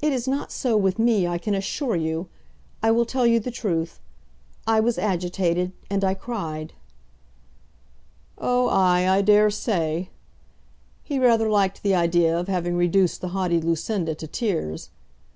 "It is not so with me, I can assure you. I will tell you the truth. I was agitated, and I cried." "Oh, ay; I dare say." He rather liked the idea of having reduced the haughty Lucinda to tears.